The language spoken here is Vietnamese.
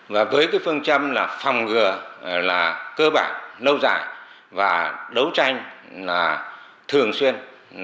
và với cái phương châm là phòng ngừa là cơ bản lâu dài và đấu tranh là thường xuyên